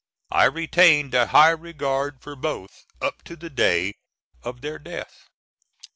I retained a high regard for both up to the day of their death.